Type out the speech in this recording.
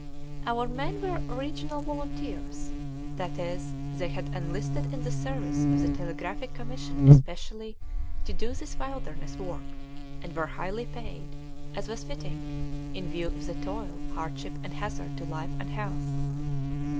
Our men were "regional volunteers," that is, they had enlisted in the service of the Telegraphic Commission especially to do this wilderness work, and were highly paid, as was fitting, in view of the toil, hardship, and hazard to life and health.